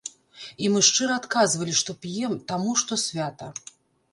І мы шчыра адказвалі, што п'ем, таму што свята.